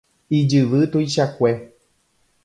Ijyvy tuichakue.